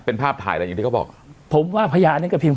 เป็นภาพถ่ายอะไรอย่างที่เขาบอกผมว่าพยานนี้ก็พิม